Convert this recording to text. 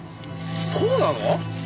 そうなの？